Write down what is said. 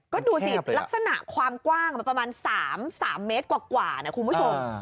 ก็ดูสิลักษณะความกว้างมันประมาณ๓เมตรกว่านะคุณผู้ชม